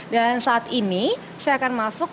dan saat ini saya akan masuk